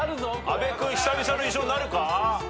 阿部君久々の優勝なるか？